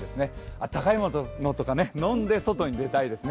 あったかいものとか飲んで外に出たいですね。